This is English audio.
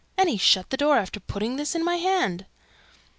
And he shut the door, after putting this in my hand."